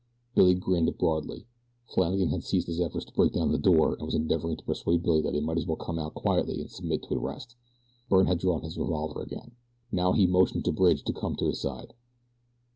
Billy grinned broadly. Flannagan had ceased his efforts to break down the door, and was endeavoring to persuade Billy that he might as well come out quietly and submit to arrest. Byrne had drawn his revolver again. Now he motioned to Bridge to come to his side.